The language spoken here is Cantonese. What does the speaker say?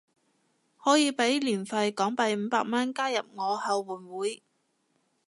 可以俾年費港幣五百蚊加入我後援會